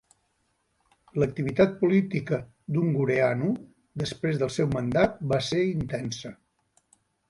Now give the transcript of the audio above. L'activitat política d'Ungureanu després del seu mandat va ser intensa.